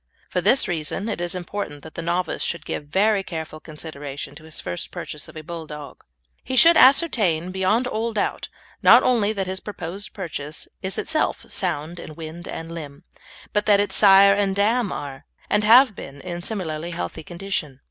For this reason it is important that the novice should give very careful consideration to his first purchase of a Bulldog. He should ascertain beyond all doubt, not only that his proposed purchase is itself sound in wind and limb, but that its sire and dam are, and have been, in similarly healthy condition.